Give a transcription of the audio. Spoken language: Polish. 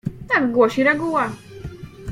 "Tak głosi reguła."